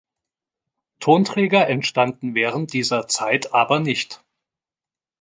Tonträger entstanden während dieser Zeit aber nicht.